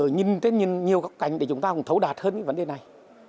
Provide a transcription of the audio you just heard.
nhưng nhiều cạnh để chúng ta thấu đạt hơn cái vấn đề này